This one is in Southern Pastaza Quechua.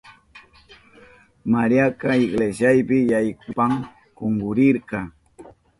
Mariaka iglesiapi yaykushpan kunkurirka.